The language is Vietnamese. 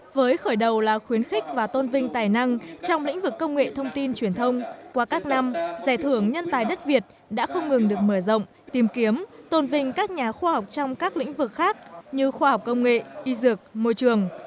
với khởi đầu là khuyến khích và tôn vinh tài năng trong lĩnh vực công nghệ thông tin truyền thông qua các năm giải thưởng nhân tài đất việt đã không ngừng được mở rộng tìm kiếm tôn vinh các nhà khoa học trong các lĩnh vực khác như khoa học công nghệ y dược môi trường